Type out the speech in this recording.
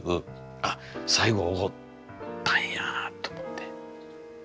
あっ最後おごったんやと思って。